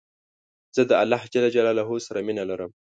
زه د الله ج سره مينه لرم